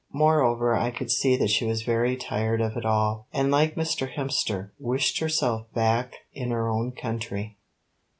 Moreover I could see that she was very tired of it all, and, like Mr. Hemster, wished herself back in her own country.